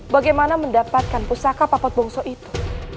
bagaimana mendapatkan pusaka papat bungsol itu